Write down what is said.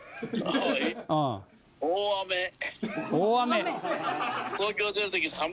大雨？